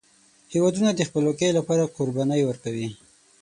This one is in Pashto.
هیوادونه د خپلواکۍ لپاره قربانۍ ورکوي.